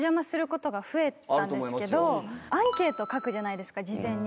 アンケート書くじゃないですか事前に。